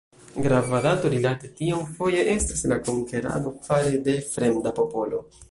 Grava dato rilate tion foje estas la konkerado fare de fremda popolo.